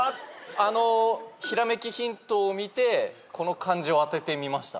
あのひらめきヒントを見てこの漢字をあててみました。